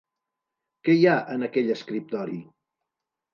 Què hi ha en aquell escriptori?